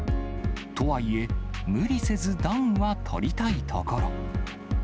とはいえ、無理せず暖はとりたいところ。